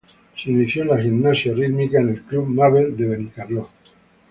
Se inició en la gimnasia rítmica en el Club Mabel de Benicarló.